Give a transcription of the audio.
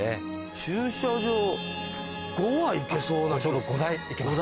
駐車場５は行けそうな広さ。